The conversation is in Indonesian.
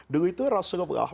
dulu itu rasulullah